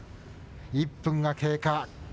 １分が経過。